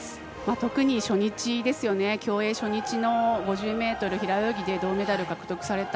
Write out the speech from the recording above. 特に競泳初日の５０ｍ平泳ぎで銅メダル獲得された。